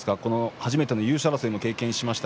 初めての優勝争いを経験しました。